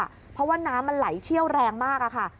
เพราะว่าน้ำมันไหลเชี่ยวแรงมากค่ะ